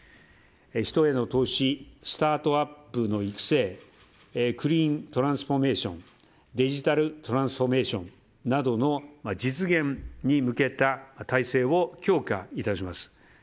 人への投資スタートアップの育成クリーントランスフォーメーションデジタル・トランスフォーメーションなどの実現に向けた体制を強化いたします。